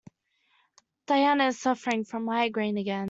Diana is suffering from migraine again.